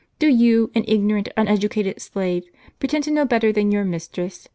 Do you, an ignorant, uneducated slave, pretend to know better than your mistress